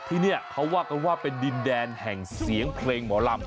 ที่นี่เขาว่ากันว่าเป็นดินแดนแห่งเสียงเพลงหมอลำ